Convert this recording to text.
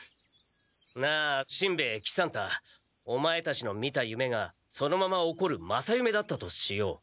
なあしんべヱ喜三太オマエたちの見た夢がそのまま起こる正夢だったとしよう。